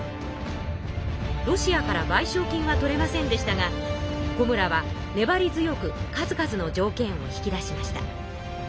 ロシアからばいしょう金は取れませんでしたが小村はねばり強く数々の条件を引き出しました。